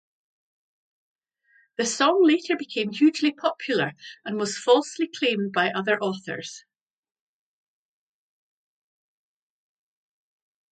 The song later became hugely popular and was falsely claimed by other authors.